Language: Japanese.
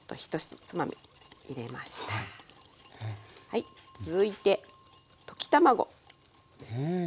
はい続いて溶き卵。